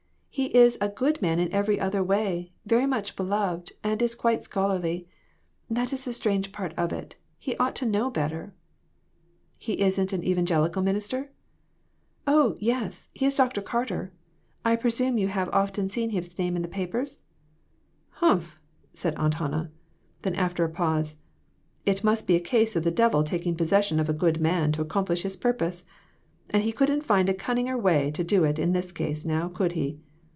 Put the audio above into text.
He is a good man in every other way, very much beloved and is quite scholarly. That is the strange part of it, he ought to know better." " He isn't an evangelical minister ?" "Oh, yes; he is Dr. Carter. I presume you have often seen his name in the papers." " Humph !" said Aunt Hannah. Then, after a pause "It must be a case of the devil taking possession of a good man to accomplish his pur pose and he couldn't find a cunninger way to do it in this case; now, could he?